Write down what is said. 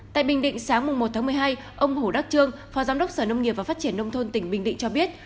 tại bình định sáng một một mươi hai ông hồ đắc trương phó giám đốc sở nông nghiệp và phát triển nông thôn tỉnh bình định cho biết